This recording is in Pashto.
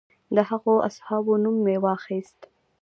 د هغو اصحابو نوم مې واخیست.